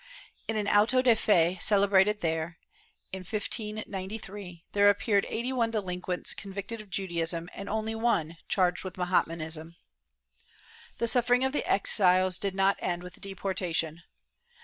In an auto de fe celebrated there, in 1593, there appeared eighty one delinquents convicted of Judaism and only one charged with Mahometanism.^ The sufferings of the exiles did not end with deportation.